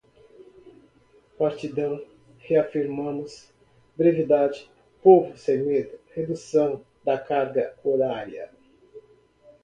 Partidão, reafirmamos, brevidade, Povo Sem Medo, redução da carga horária